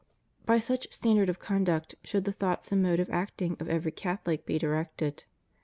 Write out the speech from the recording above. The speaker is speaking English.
By such standard of conduct should the thoughts and mode of acting of every Catholic be directed.